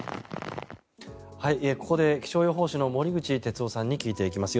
ここで気象予報士の森口哲夫さんに聞いていきます。